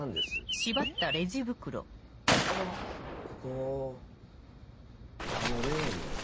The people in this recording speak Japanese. ここあの例の。